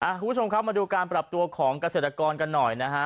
คุณผู้ชมครับมาดูการปรับตัวของเกษตรกรกันหน่อยนะฮะ